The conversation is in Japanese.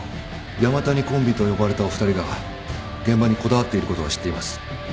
山谷コンビと呼ばれたお二人が現場にこだわっていることは知っています